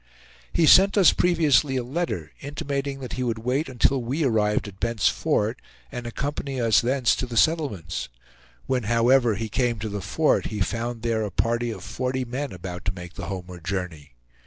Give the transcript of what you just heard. He sent us previously a letter, intimating that he would wait until we arrived at Bent's Fort, and accompany us thence to the settlements. When, however, he came to the Fort, he found there a party of forty men about to make the homeward journey.